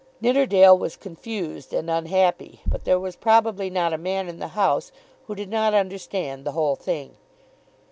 Nidderdale was confused and unhappy; but there was probably not a man in the House who did not understand the whole thing.